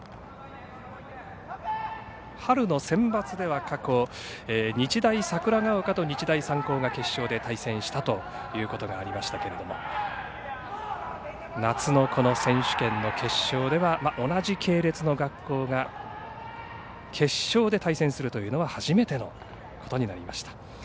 春のセンバツでは過去日大櫻丘と日大三高が決勝で対戦したということがありましたが夏のこの選手権の決勝では同じ系列の学校が決勝で対戦するというのは初めてのことになります。